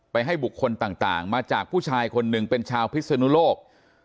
ให้บุคคลต่างมาจากผู้ชายคนหนึ่งเป็นชาวพิศนุโลก